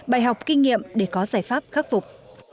bài học kinh nghiệm để có giải pháp khắc phục